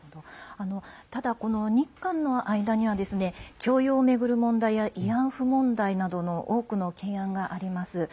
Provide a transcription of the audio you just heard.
ただ、この日韓の間には徴用を巡る問題や慰安婦問題などの多くの懸案があります。